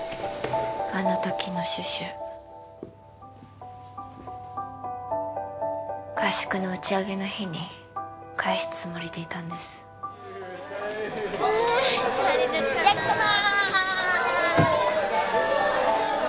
あの時のシュシュ合宿の打ち上げの日に返すつもりでいたんです焼きそばー！